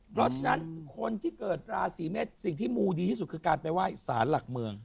เพราะฉะนั้นคนที่เกิดราศีเมษสิ่งที่มูดีที่สุดคือการไปไหว้สารหลักเมือง